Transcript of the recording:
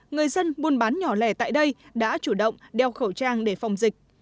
người dân buôn bán nhỏ lẻ tại đây đã chủ động đeo khẩu trang để phòng dịch